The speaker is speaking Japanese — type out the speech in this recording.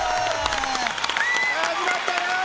始まったよ！